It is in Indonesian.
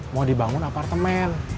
mau dibangun apartemen